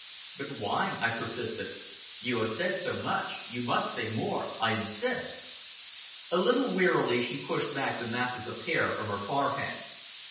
"But why?" I persisted. "You have said so much, you must say more. I insist!" A little wearily she pushed back the masses of hair from her forehead.